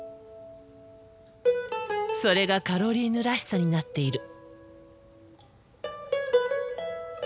それがカロリーヌらしさになっている。